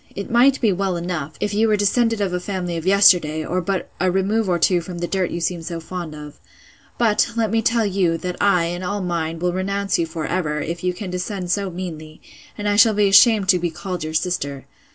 It might be well enough, if you were descended of a family of yesterday, or but a remove or two from the dirt you seem so fond of. But, let me tell you, that I, and all mine, will renounce you for ever, if you can descend so meanly; and I shall be ashamed to be called your sister.